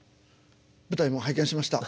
舞台も拝見しました。